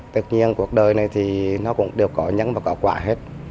tất nhiên cuộc đời này thì nó cũng đều có nhấn và có quả hết